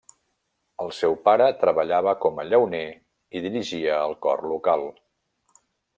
El seu pare treballava com a llauner i dirigia el cor local.